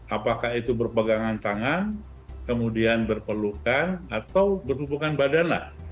apakah itu berpegangan tangan kemudian berpelukan atau berhubungan badan lah